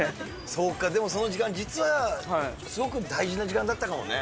そうか、でもその時間、実はすごく大事な時間だったかもね。